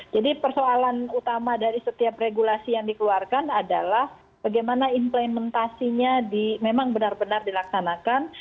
jadi persoalan utama dari setiap regulasi yang dikeluarkan adalah bagaimana implementasinya memang benar benar dilaksanakan